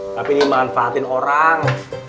tapi ini manfaatin orang